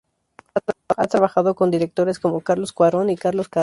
Ha trabajado con directores como Carlos Cuarón y Carlos Carrera.